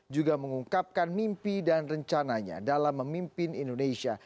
juga mengungkapkan mimpi dan rencananya dalam memimpin indonesia